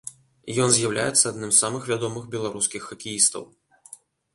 Ён з'яўляецца адным з самых вядомых беларускіх хакеістаў.